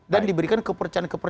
dan diberikan kepercanaan kepercanaan